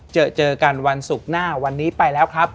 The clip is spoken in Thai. เจอเจอกันวันศุกร์หน้าวันนี้ไปแล้วครับ